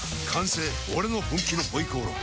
俺の本気の回鍋肉！